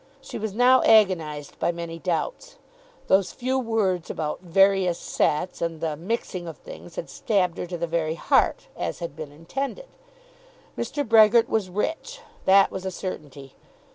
She was now agonized by many doubts. Those few words about "various sets" and the "mixing of things" had stabbed her to the very heart, as had been intended. Mr. Brehgert was rich. That was a certainty.